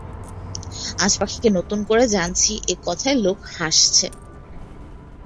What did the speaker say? আজ পাখিকে নতুন করে জানছি এ কথায় লোকে হাসছে।